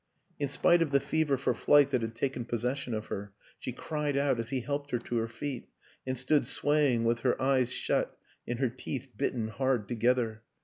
In spite of the fever for flight that had taken pos session of her she cried out as he helped her to her feet and stood swaying with her eyes shut and her teeth bitten hard together.